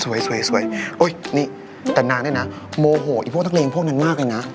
สวยสวยโอ้ยนี่แต่นางเนี่ยนะโมโหไอ้พวกนักเลงพวกนั้นมากเลยนะ